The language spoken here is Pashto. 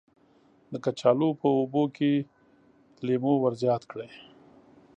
د کچالو په اوبو کې لیمو ور زیات کړئ.